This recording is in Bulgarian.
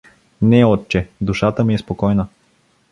— Не, отче, душата ми е спокойна.